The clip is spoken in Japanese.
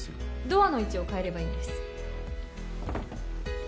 ドアの位置を変えればいいんです。